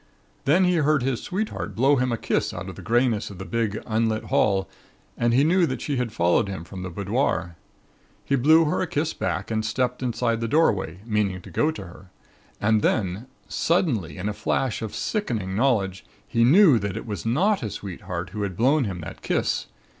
Then he heard his sweetheart blow him a kiss out of the greyness of the big, unlit hall and he knew that she had followed him from the boudoir. He blew her a kiss back and stepped inside the doorway, meaning to go to her. And then, suddenly, in a flash of sickening knowledge he knew that it was not his sweetheart who had blown him that kiss.